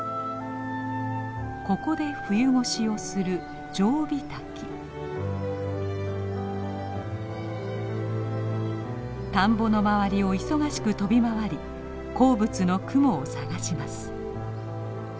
ここで冬越しをする田んぼの周りを忙しく飛び回り好物のクモを探します。